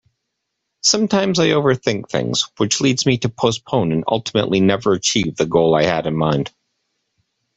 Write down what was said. Sometimes I overthink things which leads me to postpone and ultimately never achieve the goal I had in mind.